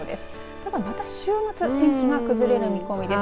ただ、また週末天気が崩れる見込みです。